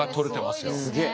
すげえ。